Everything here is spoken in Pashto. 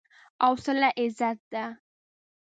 حوصله عزت ده.